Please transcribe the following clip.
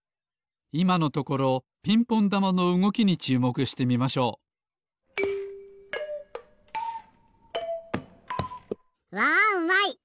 いまのところピンポンだまのうごきにちゅうもくしてみましょうわうまい！